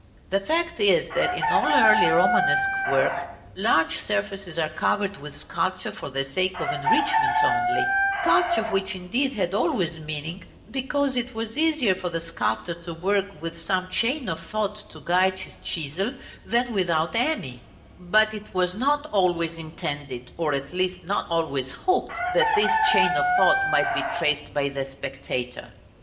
The fact is, that in all early Romanesque work, large surfaces are covered with sculpture for the sake of enrichment only; sculpture which indeed had always meaning, because it was easier for the sculptor to work with some chain of thought to guide his chisel, than without any; but it was not always intended, or at least not always hoped, that this chain of thought might be traced by the spectator.